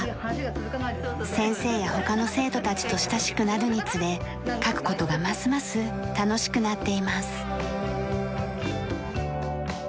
先生や他の生徒たちと親しくなるにつれ書く事がますます楽しくなっています。